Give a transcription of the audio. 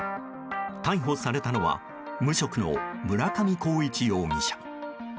逮捕されたのは無職の村上浩一容疑者。